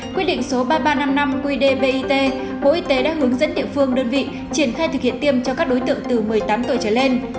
quyết định số ba nghìn ba trăm năm mươi năm qdbit bộ y tế đã hướng dẫn địa phương đơn vị triển khai thực hiện tiêm cho các đối tượng từ một mươi tám tuổi trở lên